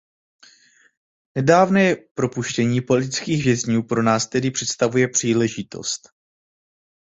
Nedávné propuštění politických vězňů pro nás tedy představuje příležitost.